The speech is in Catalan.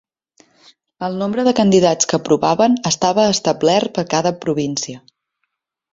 El nombre de candidats que aprovaven estava establert per cada província.